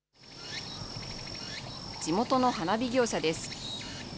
地元の花火業者です。